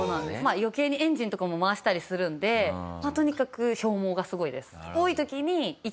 余計にエンジンとかも回したりするのでとにかく消耗がすごいです。